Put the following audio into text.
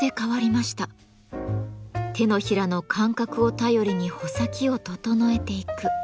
手のひらの感覚を頼りに穂先を整えていく。